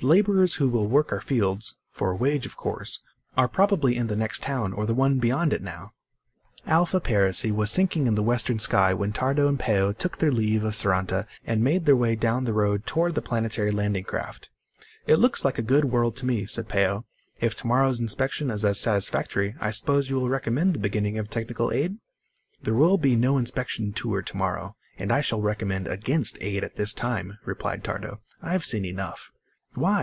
"The laborers who will work our fields for a wage, of course are probably in the next town or the one beyond it now." Alpha Persei was sinking in the western sky when Tardo and Peo took their leave of Saranta and made their way down the road toward their planetary landing craft. "It looks like a good world to me," said Peo. "If tomorrow's inspection is as satisfactory, I suppose you will recommend the beginning of technical aid?" "There will be no inspection tour tomorrow, and I shall recommend against aid at this time," replied Tardo. "I've seen enough." "Why?"